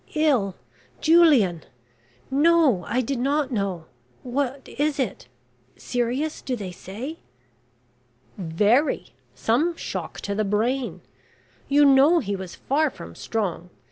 "Ill Julian! No; I did not know. What is it? serious do they say?" "Very. Some shock to the brain. You know he was far from strong.